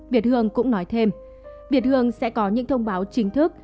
việt hương cũng nói thêm việt hương sẽ có những thông báo chính thức